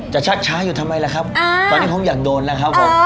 จะชัดช้าอยู่ทำไมล่ะครับตอนนี้เขาอยากโดนล่ะครับ